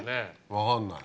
分かんない。